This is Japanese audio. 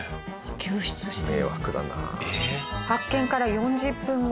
救出してる。